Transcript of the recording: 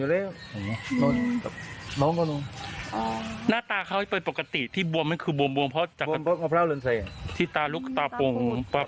เลือดอะไรเลือดออกมาจากจมูกปาก